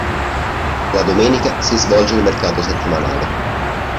La domenica si svolge il mercato settimanale.